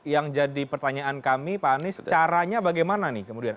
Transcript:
yang jadi pertanyaan kami pak anies caranya bagaimana